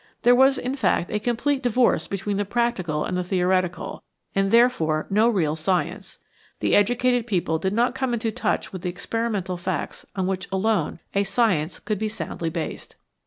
There was in fact a complete divorce between the practical and the theoretical, and therefore no real science ; the educated people did not come into touch with the experimental facts on which alone a science could be soundly based.